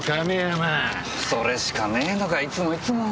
それしかねぇのかいつもいつも。